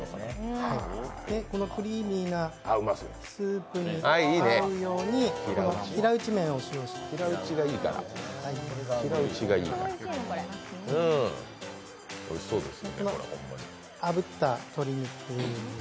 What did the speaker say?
このクリーミーなスープに合うように平打ち麺を使用しています。